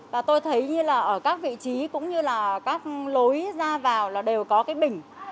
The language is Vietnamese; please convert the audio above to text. và tôi thấy như là ở các vị trí cũng như là các lối ra vào là đều có cái bình